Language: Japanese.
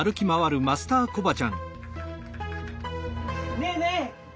ねえねえ！